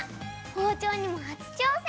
包丁にも初挑戦！